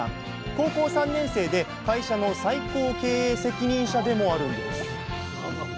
高校３年生で会社の最高経営責任者でもあるんです